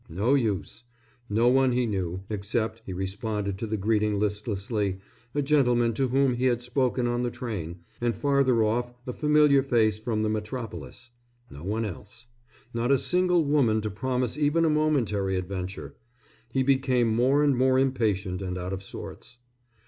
No use. No one he knew, except he responded to the greeting listlessly a gentleman to whom he had spoken on the train, and farther off a familiar face from the metropolis. No one else. Not a single woman to promise even a momentary adventure. He became more and more impatient and out of sorts.